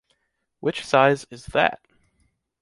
Which size is that?